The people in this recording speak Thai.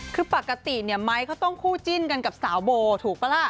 คือปกติเนี่ยไม้เขาต้องคู่จิ้นกันกับสาวโบถูกปะล่ะ